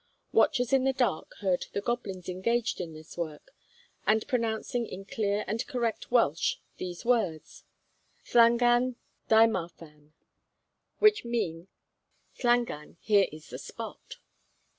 Watchers in the dark heard the goblins engaged in this work, and pronouncing in clear and correct Welsh these words, 'Llangan, dyma'r fan,' which mean, 'Llangan, here is the spot.'